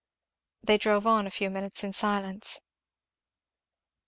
They drove on a few minutes in silence.